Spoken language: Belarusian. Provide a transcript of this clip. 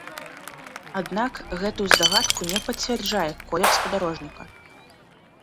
Аднак, гэтую здагадку не пацвярджае колер спадарожніка.